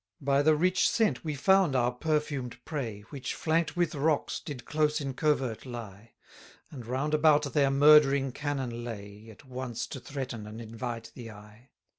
26 By the rich scent we found our perfumed prey, Which, flank'd with rocks, did close in covert lie; And round about their murdering cannon lay, At once to threaten and invite the eye.